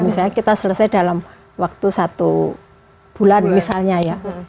misalnya kita selesai dalam waktu satu bulan misalnya ya